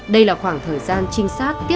đây là khoảng thời gian trinh sát